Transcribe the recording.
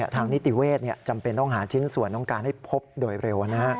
นิติเวศจำเป็นต้องหาชิ้นส่วนน้องการให้พบโดยเร็ว